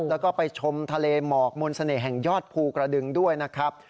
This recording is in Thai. แล้วก็ไปชมทะเลหมอกมนต์เสน่ห์แห่งยอดภูกระดึงด้วยนะครับ